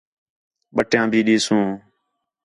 بٹیاں بھی ݙیسوں